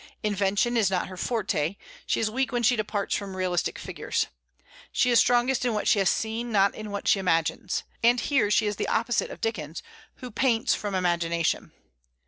Invention is not her forte; she is weak when she departs from realistic figures. She is strongest in what she has seen, not in what she imagines; and here she is the opposite of Dickens, who paints from imagination.